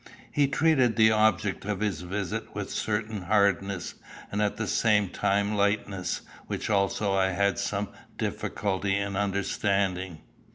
He treated the object of his visit with a certain hardness, and at the same time lightness, which also I had some difficulty in understanding.